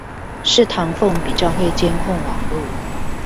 是唐鳳比較會監控網路